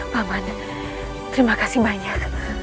paman terima kasih banyak